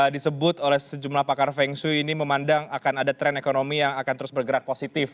disebut oleh sejumlah pakar feng shui ini memandang akan ada tren ekonomi yang akan terus bergerak positif